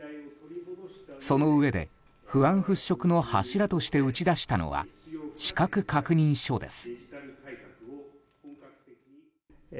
そのうえで不安払拭の柱として打ち出したのは資格確認書です。